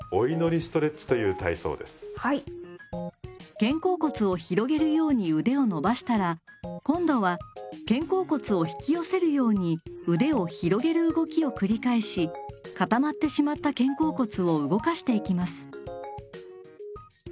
肩甲骨を広げるように腕を伸ばしたら今度は肩甲骨を引き寄せるように腕を広げる動きを繰り返しかたまってしまった肩甲骨を動かしていきます。